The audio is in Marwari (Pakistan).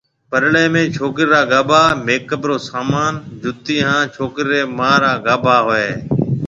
پڏݪيَ ۾ ڇوڪرِي را گھاڀا، ميڪ اپ رو سامان، جُتِي ھان ڇوڪرِي رِي مان را گھاڀا ھوئيَ ھيَََ